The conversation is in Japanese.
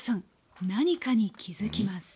何かに気付きます